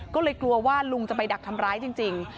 ก็เลยกลัวว่าลุงจะไปดักทำร้ายจริง